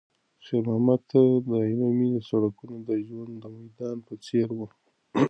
خیر محمد ته د عینومېنې سړکونه د ژوند د میدان په څېر وو.